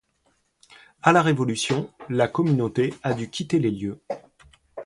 À la Révolution, la communauté a dû quitter les lieux.